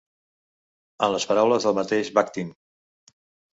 En les paraules del mateix Bakhtín.